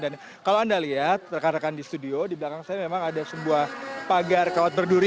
dan kalau anda lihat rekan rekan di studio di belakang saya memang ada sebuah pagar kawat berduri